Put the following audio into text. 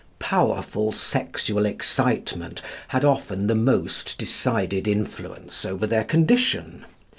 Powerful sexual excitement had often the most decided influence over their condition.